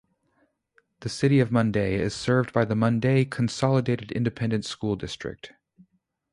The City of Munday is served by the Munday Consolidated Independent School District.